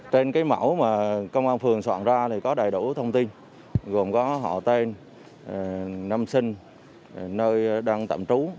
nếu mà công an phường soạn ra thì có đầy đủ thông tin gồm có họ tên năm sinh nơi đang tạm trú